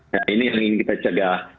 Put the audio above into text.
nah ini yang ingin kita cegah